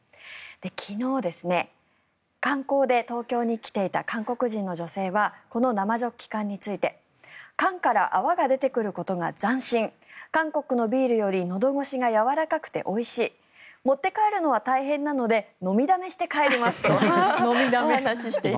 昨日、観光で東京に来ていた韓国人の女性はこの生ジョッキ缶について缶から泡が出てくることが斬新韓国のビールよりのど越しがやわらかくておいしい持って帰るのは大変なので飲みだめして帰りますとお話していました。